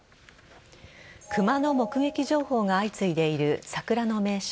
クマの目撃情報が相次いでいる桜の名所